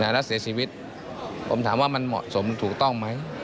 แล้วเสียชีวิตผมถามว่ามันเหมาะสมถูกต้องไหม